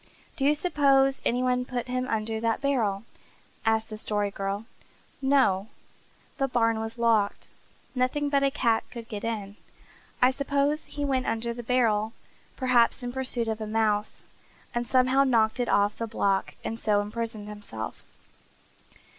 "Do you suppose any one put him under that barrel?" asked the Story Girl. "No. The barn was locked. Nothing but a cat could get in. I suppose he went under the barrel, perhaps in pursuit of a mouse, and somehow knocked it off the block and so imprisoned himself."